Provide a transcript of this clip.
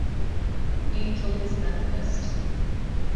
Angel is Methodist.